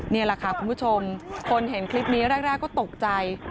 นี่แหละค่ะคุณผู้ชมคนเห็นคลิปนี้แรกก็ตกใจ